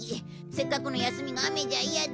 せっかくの休みが雨じゃ嫌だ。